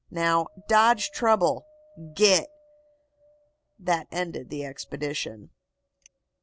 'Now, dodge trouble. Git!' That ended the expedition."